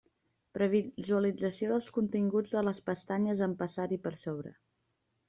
Previsualització dels continguts de les pestanyes en passar-hi per sobre.